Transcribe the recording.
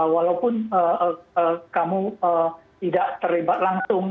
walaupun kamu tidak terlibat langsung